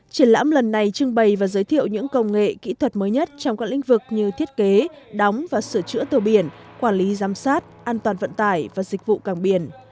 triển lãm lần này trưng bày và giới thiệu những công nghệ kỹ thuật mới nhất trong các lĩnh vực như thiết kế đóng và sửa chữa tàu biển quản lý giám sát an toàn vận tải và dịch vụ càng biển